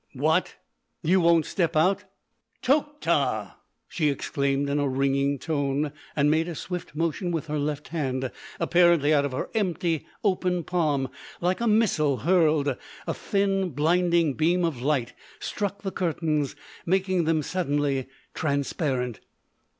"What! You won't step out? Tokhta!" she exclaimed in a ringing tone, and made a swift motion with her left hand. Apparently out of her empty open palm, like a missile hurled, a thin, blinding beam of light struck the curtains, making them suddenly transparent.